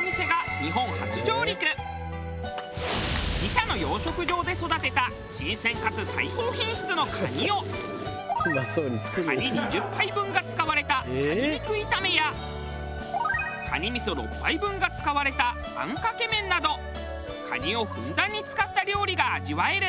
自社の養殖場で育てた新鮮かつ最高品質の蟹を蟹２０杯分が使われた蟹肉炒めや蟹味噌６杯分が使われたあんかけ麺など蟹をふんだんに使った料理が味わえる。